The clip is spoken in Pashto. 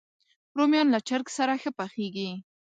رومیان له چرګ سره ښه پخېږي